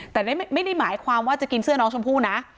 แต่ไม่ได้หมายความว่าจะกินเสื้อน้องชมพู่นะ